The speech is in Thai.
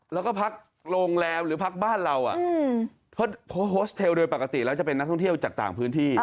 แล้วก็พักโรงแรมหรือพักบ้านเราโพสต์โฮสเทลโดยปกติแล้วจะเป็นนักท่องเที่ยวจากต่างพื้นที่